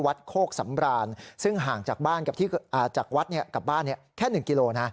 วัดโคกษัมราณซึ่งห่างจากวัดกลับบ้านแค่๑กิโล